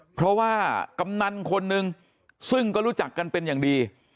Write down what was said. เพราะว่ากำนันคนนึงซึ่งก็รู้จักกันเป็นอย่างดี